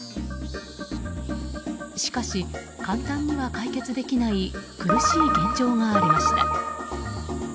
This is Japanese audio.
しかし、簡単には解決できない苦しい現状がありました。